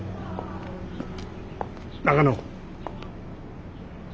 中野。